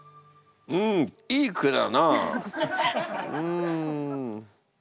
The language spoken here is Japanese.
うんいい句だな。